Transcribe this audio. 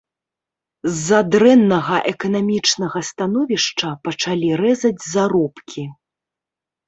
З-за дрэннага эканамічнага становішча пачалі рэзаць заробкі.